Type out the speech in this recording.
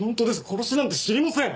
殺しなんて知りません！